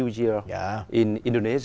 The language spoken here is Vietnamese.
bạn nói về